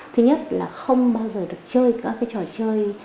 thứ nhất là không bao giờ được chơi các cái trò chơi